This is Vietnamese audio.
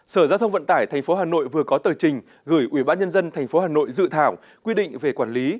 sở giao thông vận tải tp hà nội vừa có tờ trình gửi ubnd tp hà nội dự thảo quy định về quản lý